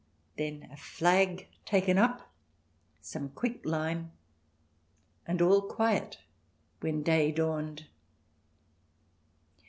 Then, a flag taken up, some quick lime, and all quiet when day dawned.